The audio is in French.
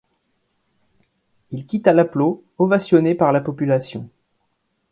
Il quitta Lapleau, ovationné par la population.